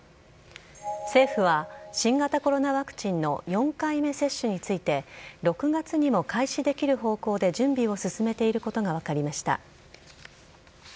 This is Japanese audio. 政府は新型コロナワクチンの４回目接種について６月にも開始できる方向で準備を進めていることが分かりました。